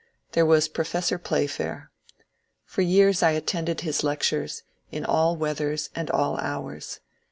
There was Professor Playfair. For years I attended his lectures, in all weathers and all hours.